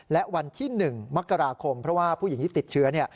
และวันที่๑มกราคมเพราะว่าผู้หญิงที่ติดเชื้อ